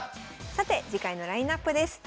さて次回のラインナップです。